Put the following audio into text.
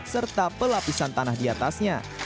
serta pelapisan tanah diatasnya